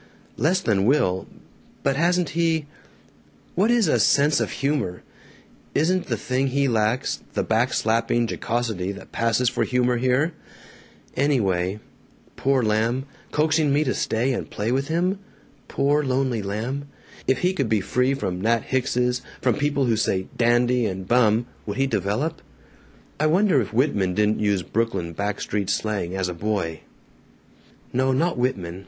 Less than Will. But hasn't he What is a 'sense of humor'? Isn't the thing he lacks the back slapping jocosity that passes for humor here? Anyway Poor lamb, coaxing me to stay and play with him! Poor lonely lamb! If he could be free from Nat Hickses, from people who say 'dandy' and 'bum,' would he develop? "I wonder if Whitman didn't use Brooklyn back street slang, as a boy? "No. Not Whitman.